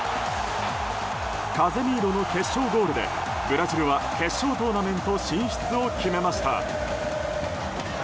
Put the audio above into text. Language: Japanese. カゼミーロの決勝ゴールでブラジルは決勝トーナメント進出を決めました。